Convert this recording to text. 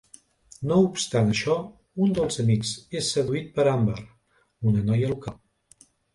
No obstant això, un dels amics és seduït per Amber, una noia local.